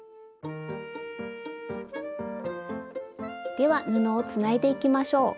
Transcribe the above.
では布をつないでいきましょう。